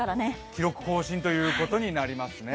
記録更新ということになりますね。